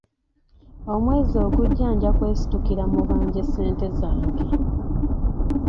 Omwezi ogujja nja kwesitukira mubanje ssente zange.